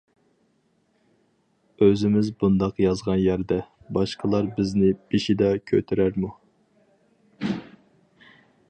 ئۆزىمىز بۇنداق يازغان يەردە، باشقىلار بىزنى بېشىدا كۆتۈرەرمۇ؟ !